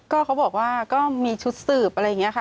ก็เขาบอกว่าก็มีชุดสืบอะไรอย่างนี้ค่ะ